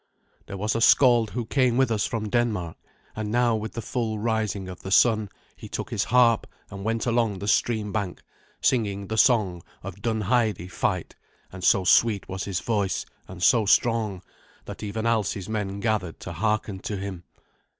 There was a scald who came with us from Denmark, and now with the full rising of the sun he took his harp and went along the stream bank singing the song of Dunheidi fight and so sweet was his voice, and so strong, that even Alsi's men gathered to hearken to him.